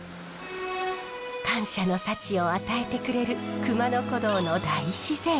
感謝の幸を与えてくれる熊野古道の大自然。